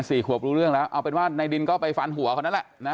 สี่ขวบรู้เรื่องแล้วเอาเป็นว่าในดินก็ไปฟันหัวเขานั่นแหละนะ